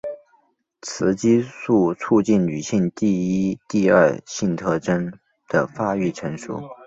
雌激素促进女性第一第二性征的发育成熟。